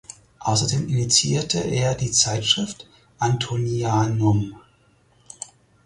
Außerdem initiierte er die Zeitschrift "Antonianum".